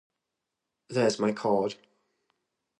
There’s my card.